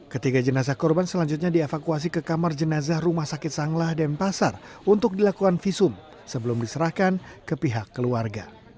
ketiga jenazah korban selanjutnya dievakuasi ke kamar jenazah rumah sakit sanglah denpasar untuk dilakukan visum sebelum diserahkan ke pihak keluarga